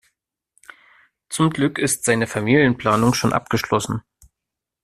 Zum Glück ist seine Familienplanung schon abgeschlossen.